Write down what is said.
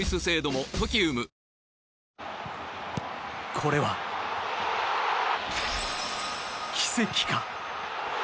これは奇跡か。